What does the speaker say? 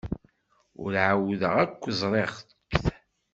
Ur ɛawdeɣ akk ẓriɣ-t.